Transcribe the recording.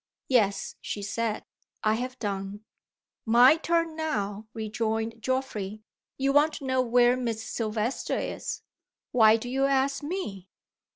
"Yes," she said. "I have done." "My turn now," rejoined Geoffrey. "You want to know where Miss Silvester is. Why do you ask Me?"